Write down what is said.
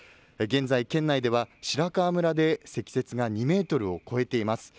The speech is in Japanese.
現在、県内では白川村で積雪が２メートルを超えています。